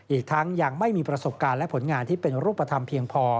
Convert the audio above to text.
อีกทั้งยังไม่มีประสบการณ์และผลงานที่เป็นรูปธรรมเพียงพอ